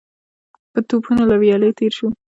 په ټوپونو له ويالې تېر شو.